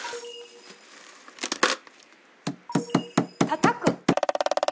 たたく